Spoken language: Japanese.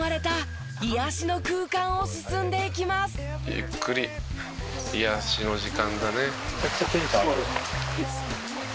「ゆっくり癒やしの時間だね」